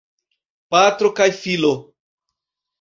Patro kaj filo.